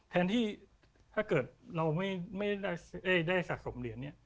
แทนที่ถ้าเกิดเราไม่ได้สะสมเหรียญเนี่ย